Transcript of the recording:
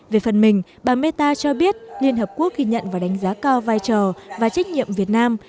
về phần mình bà meta cho biết liên hợp quốc ghi nhận và đánh giá cao vai trò và trách nhiệm việt nam